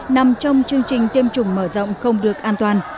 nằm trong chương trình tiêm chủng mở rộng không được an toàn